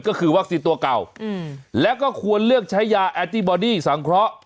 ก็คือวัคซีนตัวเก่าแล้วก็ควรเลือกใช้ยาแอนตี้บอดี้สังเคราะห์